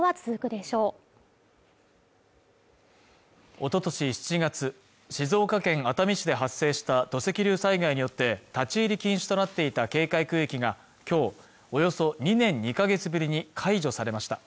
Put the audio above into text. おととし７月静岡県熱海市で発生した土石流災害によって立ち入り禁止となっていた警戒区域がきょうおよそ２年２か月ぶりに解除されました